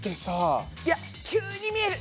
いや急に見える。